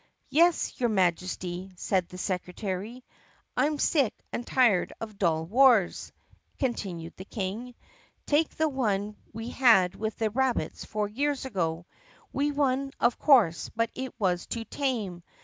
"Yes, your Majesty," said the secretary. "I 'm sick and tired of dull wars," continued the King. "Take the one we had with the rabbits four years ago. We won of course but it was too tame.